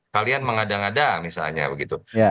kalian mengada ngada misalnya begitu